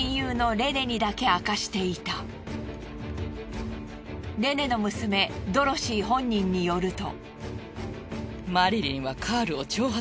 レネの娘ドロシー本人によると。